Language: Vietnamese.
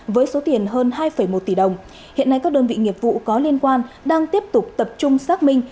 với số tiền hơn hai một tỷ đồng hiện nay các đơn vị nghiệp vụ có liên quan đang tiếp tục tập trung xác minh